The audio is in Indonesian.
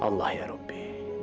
allah ya rabbi